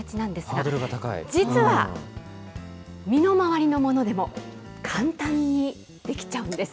実は身の回りのものでも、簡単にできちゃうんです。